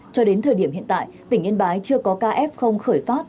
cho đến thời điểm hiện tại tỉnh yên bái chưa có caf khởi phát